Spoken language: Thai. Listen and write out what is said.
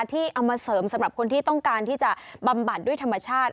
ที่เอามาเสริมสำหรับคนที่ต้องการที่จะบำบัดด้วยธรรมชาติ